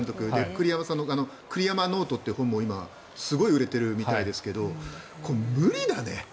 栗山さんの栗山ノートというのもすごい売れてるみたいですがこれ、無理だね。